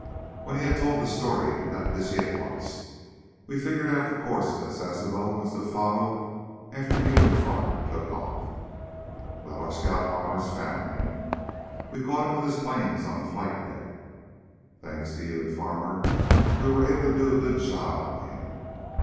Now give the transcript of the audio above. When he had told the story we got busy at once. We figured out the course that Sasebo must have followed after you and Farmer took off. Well, our scout bombers found him. We caught him with his planes on the flight deck. Thanks to you and Farmer, we were able to do a good job on him.